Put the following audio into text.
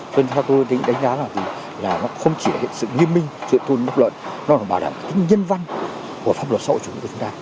cho nên theo tôi định đánh giá là nó không chỉ là sự nghiêm minh sự tuôn bất luận nó là bảo đảm cái nhân văn của pháp luật sâu chủ nghĩa của chúng ta